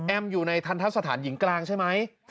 แอมอยู่ในทรัฐสถานหญิงกลางใช่ไหม